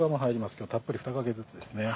今日はたっぷり２かけずつですね。